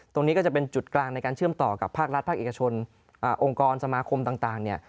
ตรงนี้ก็จะเป็นจุดกลางในการเชื่อมต่อกับภาครัฐภาคเอกชนองค์กรสมาคมต่างเนี่ย